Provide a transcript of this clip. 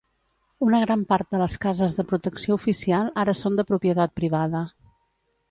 Una gran part de les cases de protecció oficial ara són de propietat privada.